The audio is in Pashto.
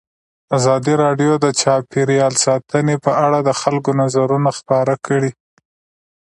ازادي راډیو د چاپیریال ساتنه په اړه د خلکو نظرونه خپاره کړي.